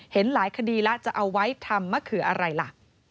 เห็นหลายคดีแล้วจะเอาไว้ทำมะเขืออะไรล่ะ